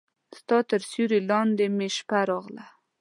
ستا تر سیوري لاندې مې شپه راغله